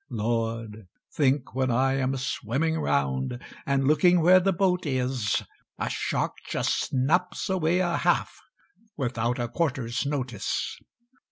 "Lord! think when I am swimming round, And looking where the boat is, A shark just snaps away a half, Without a 'quarter's notice.'